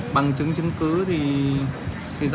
bằng chứng cứ thì rõ ràng là